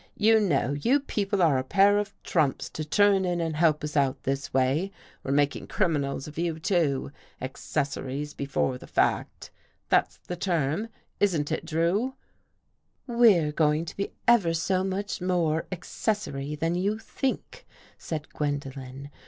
" You know, you people are a pair of trumps to turn in and help us out this way. We're making criminals of you, too. ' Accessories before the fact '— That's the term, isn't it. Drew? "" We're going to be ever so much more ' acces sory ' than you think," said Gwendolen.